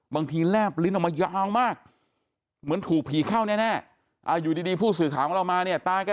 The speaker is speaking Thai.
บางทีแร่บลิ้นออกมายาวมากเหมือนถูกผีเข้าแน่อยู่ดีพูดสู่ข่าวเวลามาเนี่ยตาค่ะ